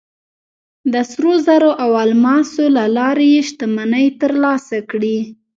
د سرو زرو او الماسو له لارې یې شتمنۍ ترلاسه کړې.